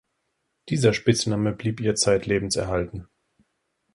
Dieser Spitzname blieb ihr zeitlebens erhalten.